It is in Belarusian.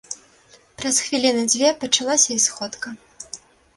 Праз хвіліны дзве пачалася і сходка.